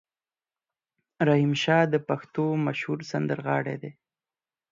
رحیم شا د پښتو مشهور سندرغاړی دی.